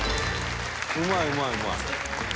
うまいうまいうまい。